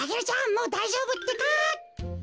もうだいじょうぶってか。